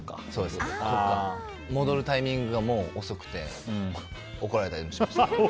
戻るタイミングが遅くて怒られたりもしましたね。